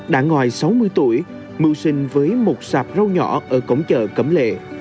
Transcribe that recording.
đã ngoài sáu mươi tuổi mưu sinh với một sạp rau nhỏ ở cổng chợ cẩm lệ